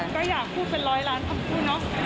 ก็อยากพูดเป็นร้อยล้านคำพูดเนาะ